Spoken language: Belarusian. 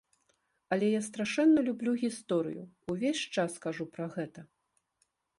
Але я страшэнна люблю гісторыю, увесь час кажу пра гэта.